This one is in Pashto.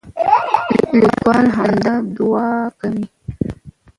لیکوال همدا دعا کوي.